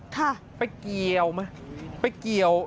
ค่ะไปเกี่ยวไหมไปเกี่ยว